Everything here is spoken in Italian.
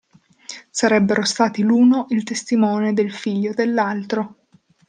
Sarebbero stati l'uno il testimone del figlio dell'altro.